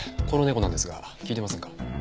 この猫なんですが聞いてませんか？